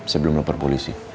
saya belum lapor polisi